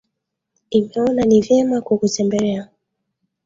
imeona ni vyema kukutembelea